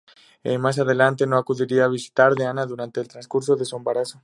Más adelante no acudiría a visitar a Ana durante el transcurso de su embarazo.